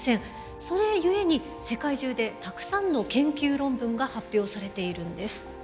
それゆえに世界中でたくさんの研究論文が発表されているんです。